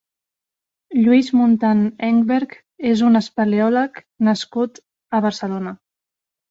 Lluís Muntan Engberg és un espeleòleg nascut a Barcelona.